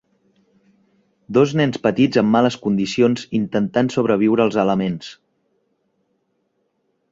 Dos nens petits en males condicions intentant sobreviure als elements.